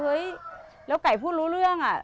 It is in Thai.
เฮ้ยแล้วไก่พูดรู้เรื่องอ่ะ